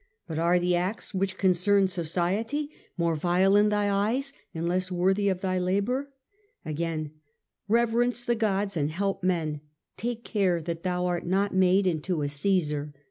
But are the acts which concern society more vile in thy eyes and less worthy of thy labour ?' Again :^^' Reverence the gods and help men. Take care that thou art not made into a Caesar.